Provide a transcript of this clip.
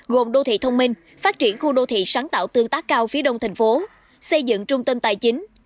gồm đô thị thông minh phát triển khu đô thị sáng tạo tương tác cao phía đông thành phố xây dựng trung tâm tài chính